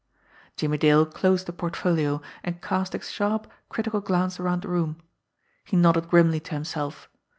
Jimmie Dale closed the portfolio, and cast a sharp, critical glance around the room. He nodded grimly to himself.